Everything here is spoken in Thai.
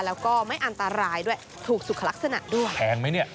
แล้วก็ไม่อันตรายด้วยถูกสุขลักษณะด้วย